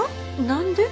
何で？